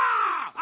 あ！